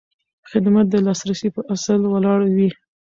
خدمت د لاسرسي په اصل ولاړ وي.